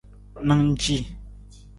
Na ng ci.